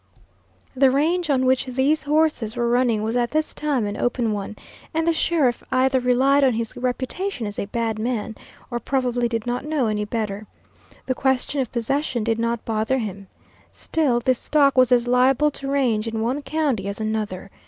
The range on which these horses were running was at this time an open one, and the sheriff either relied on his reputation as a bad man, or probably did not know any better. The question of possession did not bother him. Still this stock was as liable to range in one county as another.